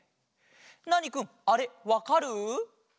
ナーニくんあれわかる？